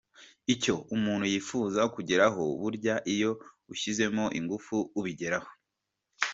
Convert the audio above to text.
Icyo umuntu yifuza kugeraho burya iyo ushyizemo ingufu ubigeraho”.